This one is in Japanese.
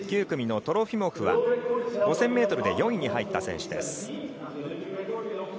９組のトロフィモフは５０００ｍで４位に入った選手です。